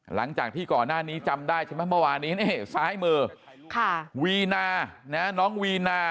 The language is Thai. หลังจากที่ก่อนหน้านี้จำได้ใช่ไหมเมื่อวานนี้ซ้ายมือวีนาน้องวีนา